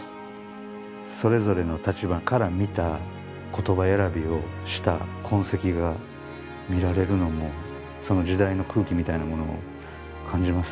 それぞれの立場から見た言葉選びをした痕跡が見られるのもその時代の空気みたいなものを感じますよね。